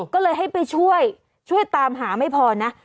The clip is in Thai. ก็เลยให้ไปช่วยช่วยตามหาไม่พอนะ